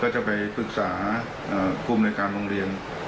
ก็จะไปฝึกษาภูมิโรงเรียน